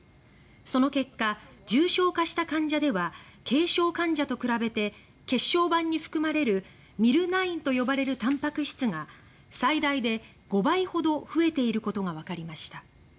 その結果重症化した患者では軽症患者と比べて血小板に含まれる「Ｍｙｌ９」と呼ばれるたんぱく質が最大で５倍ほど増えていることがわかりました。